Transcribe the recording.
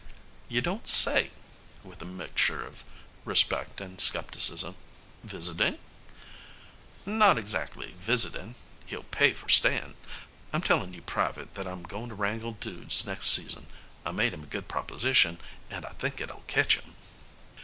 "You don't say?" with a mixture of respect and skepticism. "Visitin'?" "Not exactly visitin' he'll pay for stayin'. I'm tellin' you private that I'm goin' to wrangle dudes next season. I made him a good proposition and I think it'll ketch him."